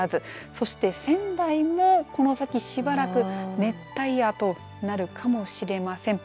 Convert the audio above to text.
そして仙台もこの先しばらく熱帯夜となるかもしれません。